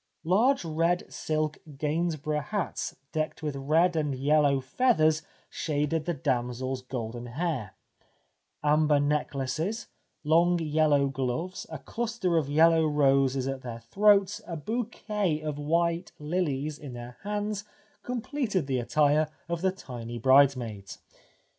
Large red silk Gainsborough hats decked with red and yellow feathers shaded the damsels' golden hair ; amber necklaces, long yellow gloves, a cluster of yellow roses at their throats, a bouquet of white lilies in their hands, com pleted the attire of the tiny bridesmaids.